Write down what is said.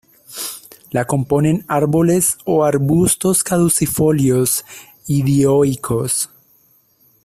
La componen árboles o arbustos caducifolios y dioicos.